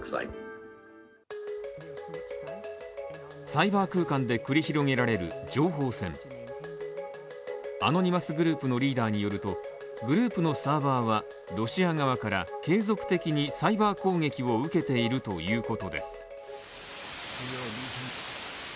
サイバー空間で繰り広げられる情報戦アノニマスグループのリーダーによると、グループのサーバーは、ロシア側から継続的にサイバー攻撃を受けているということです。